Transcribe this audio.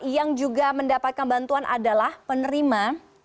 yang juga mendapatkan bantuan adalah penerima